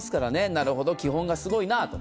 なるほど、基本がすごいなと。